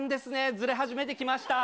ずれ始めてきました。